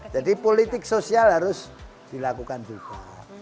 jadi politik sosial harus dilakukan juga